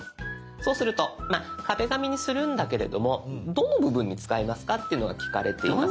そうすると「壁紙」にするんだけれどもどの部分に使いますか？っていうのが聞かれています。